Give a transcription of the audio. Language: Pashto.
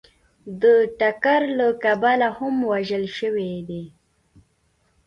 د ټکر له کبله هم وژل شوي دي